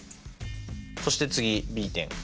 そして次Ｂ点。